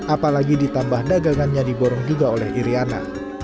apalagi ditambah dagangannya diborong juga oleh iryana